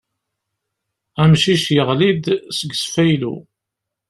Amcic yaɣli-d seg usfayly.